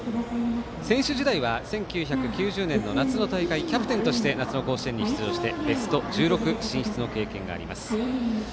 選手時代は１９９０年の夏の大会キャプテンとして夏の甲子園に出場してベスト１６進出の経験があります。